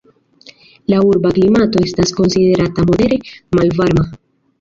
La urba klimato estas konsiderata modere malvarma.